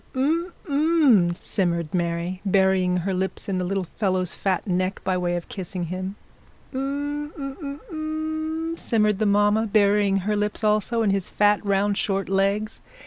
'H'm, 'm, 'm, 'm, 'm,' simmered Mary, burying her lips in the little fellow's fat neck, by way of kissing him. 'H'm, 'm, 'm, 'm, 'm,' simmered the mamma, burying her lips also in his fat round short legs.